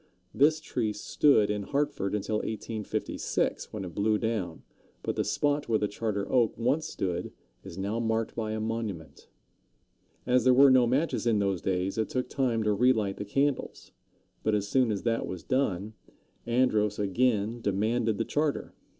This tree stood in Hartford until 1856, when it blew down; but the spot where the Charter Oak once stood is now marked by a monument. As there were no matches in those days, it took time to relight the candles; but as soon as that was done, Andros again demanded the charter.